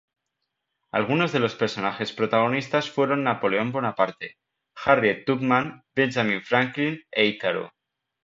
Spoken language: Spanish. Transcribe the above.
Algunos de los personajes protagonistas fueron Napoleón Bonaparte, Harriet Tubman, Benjamin Franklin e Ícaro.